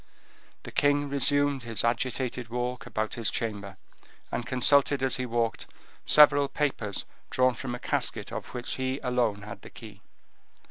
The king resumed his agitated walk about his chamber, and consulted, as he walked, several papers drawn from a casket of which he alone had the key.